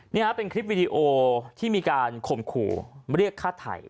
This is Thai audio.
นี่ฮะเป็นคลิปวิดีโอที่มีการข่มขู่เรียกฆ่าไถ่